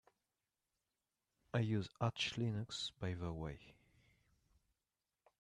I use Arch Linux by the way.